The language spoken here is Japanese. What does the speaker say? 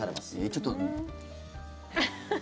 ちょっと。